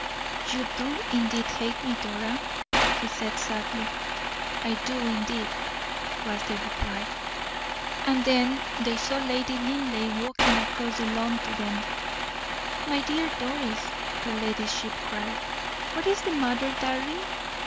"You do indeed hate me, Dora," he said, sadly. "I do, indeed," was the reply. And then they saw Lady Linleigh walking across the lawn to them. "My dear Doris," her ladyship cried, "what is the matter, darling?